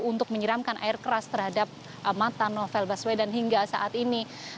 untuk menyiramkan air keras terhadap mata novel baswedan hingga saat ini